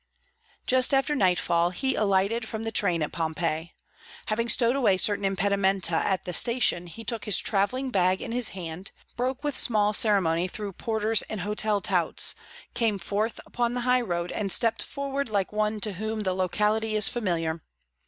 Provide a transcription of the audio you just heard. Just after nightfall he alighted from the train at Pompeii. Having stowed away certain impedimenta at the station, he took his travelling bag in his hand, broke with small ceremony through porters and hotel touts, came forth upon the high road, and stepped forward like one to whom the locality is familiar.